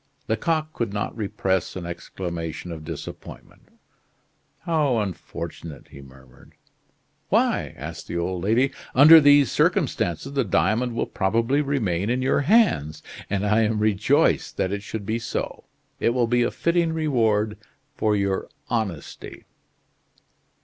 Lecoq could not repress an exclamation of disappointment. "How unfortunate!" he murmured. "Why?" asked the old lady. "Under these circumstances, the diamond will probably remain in your hands, and I am rejoiced that it should be so. It will be a fitting reward for your honesty."